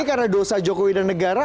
karena dosa jokowi dan negara